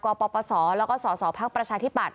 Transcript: กปศและก็ศศภประชาธิบัตร